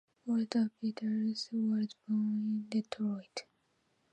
Walter Pitts was born in Detroit.